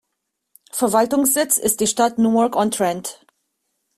Verwaltungssitz ist die Stadt Newark-on-Trent.